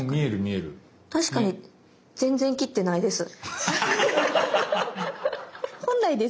確かに全然切ってないです。